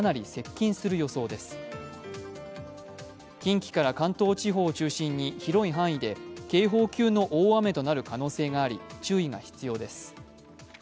近畿から関東地方を中心に広い範囲で警報級の大雨となる可能性があり注意が必要です。